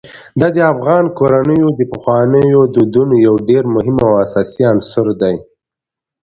دا د افغان کورنیو د پخوانیو دودونو یو ډېر مهم او اساسي عنصر دی.